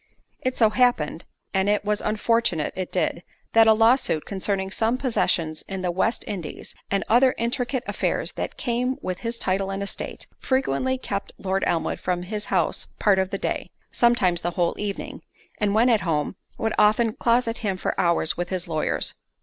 It so happened, and it was unfortunate it did, that a lawsuit concerning some possessions in the West Indies, and other intricate affairs that came with his title and estate, frequently kept Lord Elmwood from his house part of the day; sometimes the whole evening; and when at home, would often closet him for hours with his lawyers.